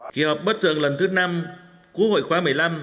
kỳ họp bất thường lần thứ năm quốc hội khóa một mươi năm